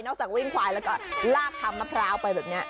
แล้วก็ลากกันจากมะพร้าว